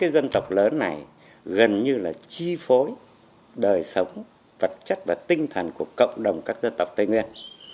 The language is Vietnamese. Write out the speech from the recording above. dân tộc lớn này gần như là chi phối đời sống vật chất và tinh thần của cộng đồng các dân tộc tây nguyên